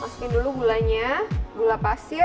masukin dulu gulanya gula pasir